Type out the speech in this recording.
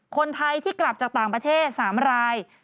คนไทยที่กลับจากต่างประเทศ๓ราย